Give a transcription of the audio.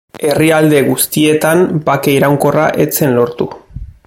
Herrialde guztietan bake iraunkorra ez zen lortu.